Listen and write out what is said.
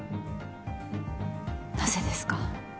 なぜですか？